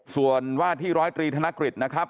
ส่วนว่าที่๑๐๓ธนกฤทธิ์